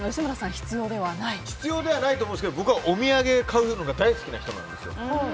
必要ではないと思うんですが僕はお土産買うのが大好きな人なんですよ。